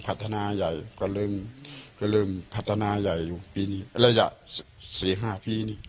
พัฒนาใหญ่ก็ลืมก็ลืมพัฒนาใหญ่อยู่ปีนี้ระยะสี่ห้าปีนี่นี่แหละ